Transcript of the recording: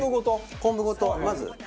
昆布ごとまず。